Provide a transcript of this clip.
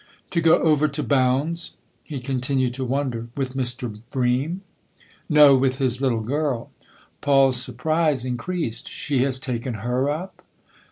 " To go over to Bounds." He continued to wonder. " With Mr. Bream ?"" No with his little girl." Paul's surprise increased. "She has taken her up